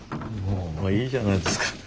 もういいじゃないですか。